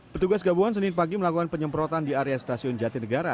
petugas gabungan senin pagi melakukan penyemprotan di area stasiun jatinegara